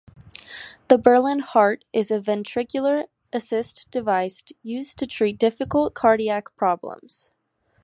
The Berlin Heart is a ventricular assist device used to treat difficult cardiac problems.